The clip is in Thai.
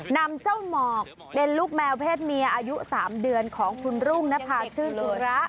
นำเจ้าหมอกเป็นลูกแมวเพศเมียอายุ๓เดือนของคุณรุ่งนภาชื่นสุระ